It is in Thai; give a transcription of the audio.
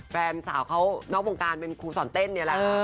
แฟนสาวเขานอกวงการเป็นครูสอนเต้นนี่แหละ